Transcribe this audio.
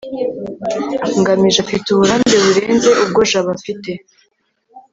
ngamije afite uburambe burenze ubwo jabo afite